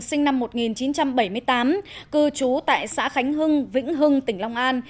sinh năm một nghìn chín trăm bảy mươi tám cư trú tại xã khánh hưng vĩnh hưng tỉnh long an